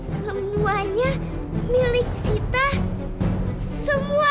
semuanya milik sita semua